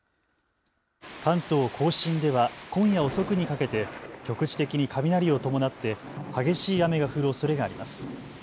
関東甲信では今夜遅くにかけて局地的に雷を伴って激しい雨が降るおそれがあります。